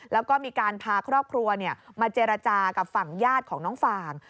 แล้วก็มีการพาครอบครัวมาเจรจากับฝั่งญาติของน้องฟาง